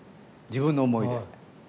自分の思いで。